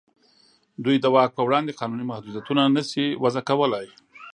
دوی د واک په وړاندې قانوني محدودیتونه نه شي وضع کولای.